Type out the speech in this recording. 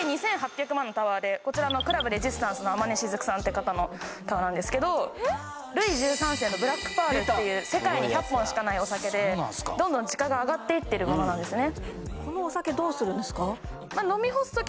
こちらＣｌｕｂＲＥＳＩＳＴＡＮＣＥの天音雫さんって方のタワーなんですけどルイ１３世のブラックパールっていう世界に１００本しかないお酒でどんどん時価が上がっていってるものなんですね